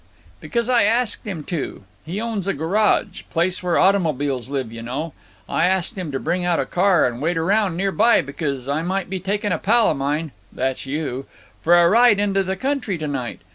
"Because I asked him to. He owns a garage. Place where automobiles live, you know. I asked him to bring out a car and wait around near by, because I might be taking a pal of mine—that's you—for a ride into the country to night.